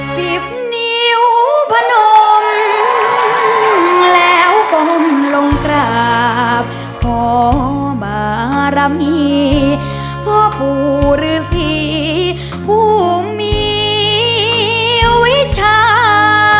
สิบนิ้วพนมแล้วก้มลงกราบขอบารมีพ่อปู่ฤษีผู้มีวิชา